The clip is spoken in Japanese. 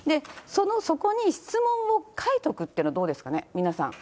そこに質問を書いとくっていうのはどうですかね、皆さん。